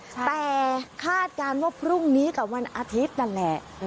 แต่คาดการณ์ว่าพรุ่งนี้กับวันอาทิตย์นั่นแหละ